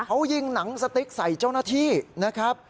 เขายิงหนังสติ๊กใส่เจ้าหน้าที่นะครับ